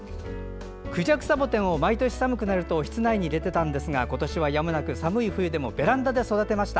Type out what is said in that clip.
クジャクサボテンを毎年寒くなると室内に入れていたんですが今年はやむなく、寒い冬でもベランダで育てました。